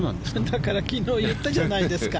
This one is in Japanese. だから昨日言ったじゃないですか。